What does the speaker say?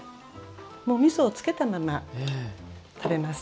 もうみそを付けたまま食べます。